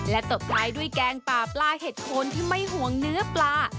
ตบท้ายด้วยแกงปลาปลาเห็ดโคนที่ไม่ห่วงเนื้อปลา